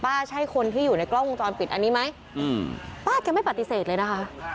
ใช่คนที่อยู่ในกล้องวงจรปิดอันนี้ไหมอืมป้าแกไม่ปฏิเสธเลยนะคะ